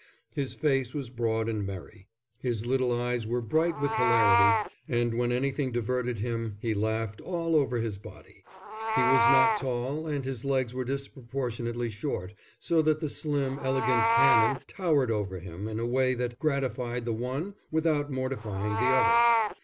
His face was broad and merry. His little eyes were bright with hilarity, and when anything diverted him, he laughed all over his body. He was not tall, and his legs were disproportionately short, so that the slim, elegant Canon towered over him in a way that gratified the one without mortifying the other.